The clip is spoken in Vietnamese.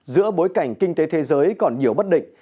giữa bối cảnh kinh tế thế giới còn nhiều bất định